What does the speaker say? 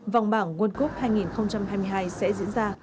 vòng bảng world cup hai nghìn hai mươi hai sẽ diễn ra